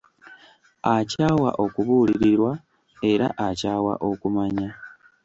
Akyawa okubuulirirwa era akyawa okumanya.